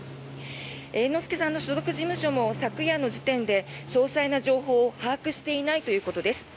猿之助さんの所属事務所も昨夜の時点で詳細な情報を把握していないということです。